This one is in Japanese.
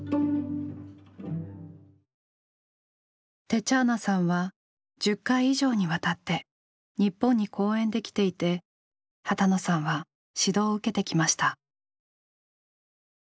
テチャーナさんは１０回以上にわたって日本に公演で来ていて波多野さんは指導を受けてきました。